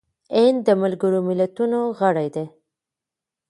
هند د ملګرو ملتونو غړی دی.